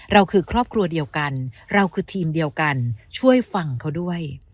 เราคือครอบครัวเดียวกันเราคือทีมเดียวกันช่วยฟังเขาด้วย